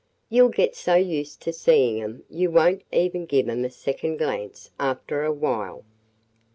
You 'll get so used to seeing 'em you won't even give 'em a second glance after a while.